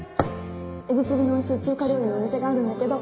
エビチリの美味しい中華料理のお店があるんだけど。